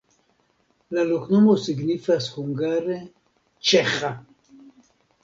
La loknomo signifas hungare: ĉeĥa.